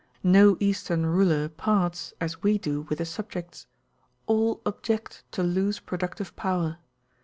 No Eastern ruler parts, as we do, with his subjects; all object to lose productive power.